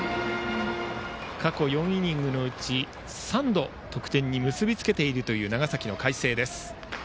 過去４イニングのうち３度、得点に結び付けている長崎の海星です。